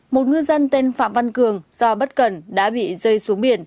một ngư dân tên phạm văn cường do bất cần đã bị rơi xuống biển